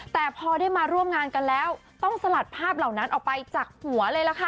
แต่พอได้มาร่วมงานกันแล้วต้องสลัดภาพเหล่านั้นออกไปจากหัวเลยล่ะค่ะ